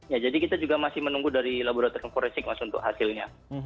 ya jadi kita juga masih menunggu dari laboratorium forensik mas untuk hasilnya